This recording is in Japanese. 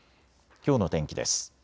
きょうの天気です。